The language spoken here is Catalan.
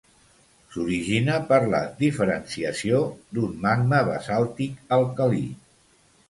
S'origina per la diferenciació d'un magma basàltic alcalí.